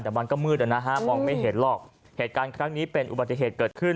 แต่มันก็มืดนะฮะมองไม่เห็นหรอกเหตุการณ์ครั้งนี้เป็นอุบัติเหตุเกิดขึ้น